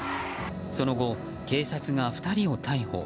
その後、警察が２人を逮捕。